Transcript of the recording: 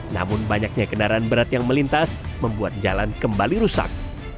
namun banyaknya kendaraan berat yang melintas membuat jalan kembali rusak